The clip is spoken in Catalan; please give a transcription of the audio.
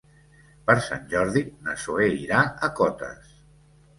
Per Sant Jordi na Zoè irà a Cotes.